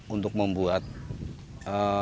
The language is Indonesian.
untuk membuat tanah yang berasal dari tanah yang tersebut